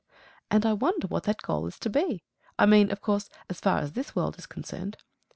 And I wonder what that goal is to be! I mean, of course, as far as this world is concerned.